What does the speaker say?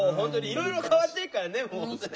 いろいろ変わっていくからねもうね。